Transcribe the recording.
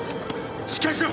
しっかりしろ！